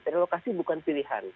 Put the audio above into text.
relokasi bukan pilihan